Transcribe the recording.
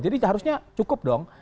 jadi seharusnya cukup dong